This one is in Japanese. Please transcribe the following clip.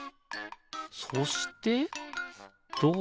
そしてどうなる？